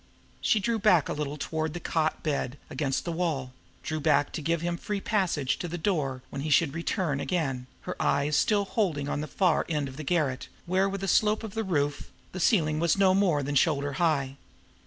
She drew back a little toward the cot bed against the wall, drew back to give him free passage to the door when he should return again, her eyes still holding on the far end of the garret, where, with the slope of the roof, the ceiling was no more than shoulder high.